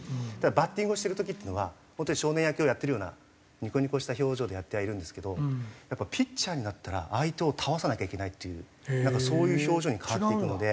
バッティングをしてる時っていうのは本当に少年野球をやってるようなニコニコした表情でやってはいるんですけどやっぱピッチャーになったら相手を倒さなきゃいけないというなんかそういう表情に変わっていくので。